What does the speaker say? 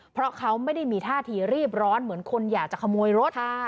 เพราะเขาไม่ได้มีท่าทีรีบร้อนเหมือนคนอยากจะขโมยรถ